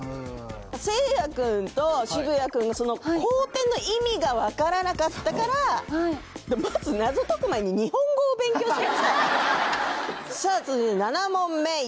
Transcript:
せいや君と渋谷君のその交点の意味が分からなかったからまず謎を解く前に日本語を勉強しなさい！